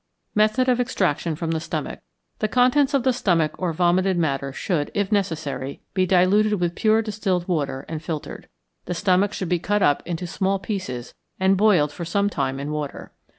Method of Extraction from the Stomach. The contents of the stomach or vomited matter should, if necessary, be diluted with pure distilled water and filtered. The stomach should be cut up into small pieces and boiled for some time in water.